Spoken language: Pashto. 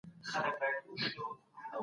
موږ په بازار کي د ستونزو په اړه بحث کوو.